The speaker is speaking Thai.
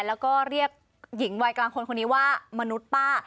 แล้วก็เรียกหญิงวัยกลางคนคนนี้ว่ามนุษย์ป้า